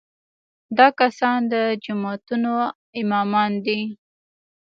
دا کسان د جوماتونو امامان دي.